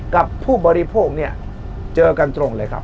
กับผู้บริโภคเนี่ยเจอกันตรงเลยครับ